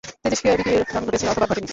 তেজস্ক্রিয় বিকিরণ ঘটেছে অথবা ঘটেনি।